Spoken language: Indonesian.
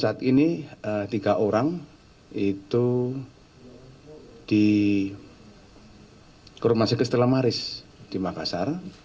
saat ini tiga orang itu di rumah sakit setelah maris di makassar